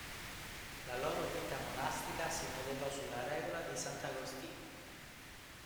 La loro vita monastica si modellò sulla regola di sant'Agostino.